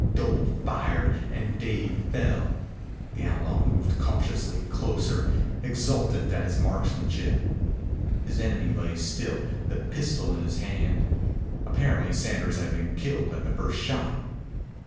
Doble fired and Dave fell. The outlaw moved cautiously closer, exultant at his marksmanship. His enemy lay still, the pistol in his hand. Apparently Sanders had been killed at the first shot.